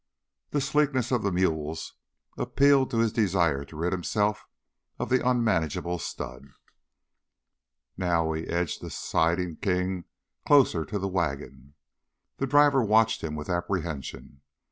The sleekness of the mules appealed to his desire to rid himself of the unmanageable stud. Now he edged the sidling King closer to the wagon. The driver watched him with apprehension.